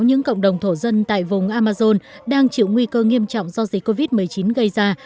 những cộng đồng thổ dân tại vùng amazon đang chịu nguy cơ nghiêm trọng do dịch covid một mươi chín gây ra